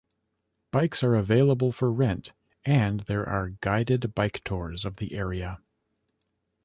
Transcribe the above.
Bikes are available for rent and there are guided bike tours of the area.